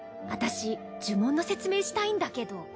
私呪文の説明したいんだけど。